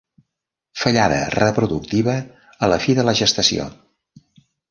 Fallada reproductiva a la fi de la gestació.